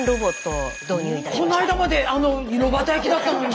こないだまであの炉端焼きだったのに。